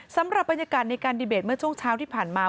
สำหรับบรรยากาศในการดีเบตเมื่อช่วงเช้าที่ผ่านมา